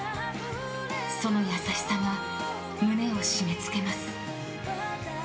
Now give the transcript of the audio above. その優しさが胸を締め付けます。